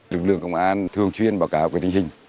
lực lượng công an thường chuyên báo cáo tình hình